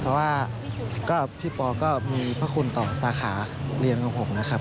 เพราะว่าพี่ปอก็มีพระคุณต่อสาขาเรียนของผมนะครับ